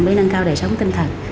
để nâng cao đề sống tinh thần